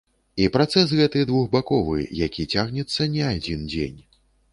І працэс гэты двухбаковы, які цягнецца не адзін дзень.